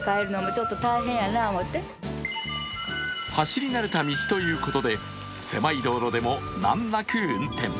走り慣れた道ということで狭い道路でも難なく運転。